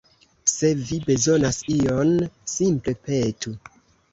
Se vi bezonas ion, simple petu.